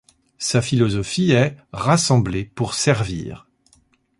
Sa philosophie est Rassembler pour Servir.